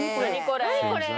何これ？